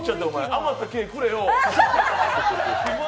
余った毛、くれよ。